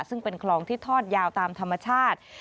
ซึ่งเป็นคลองที่ทอดยาวตามธรรมชาติ